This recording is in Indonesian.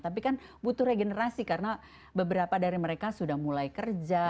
tapi kan butuh regenerasi karena beberapa dari mereka sudah mulai kerja